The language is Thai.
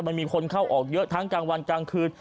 มันมีคนเข้าออกเยอะทั้งกลางวันกลางคืน